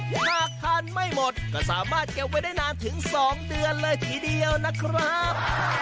หากทานไม่หมดก็สามารถเก็บไว้ได้นานถึง๒เดือนเลยทีเดียวนะครับ